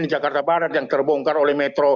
di jakarta barat yang terbongkar oleh metro